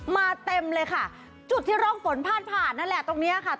เต็มเลยค่ะจุดที่ร่องฝนพาดผ่านนั่นแหละตรงเนี้ยค่ะ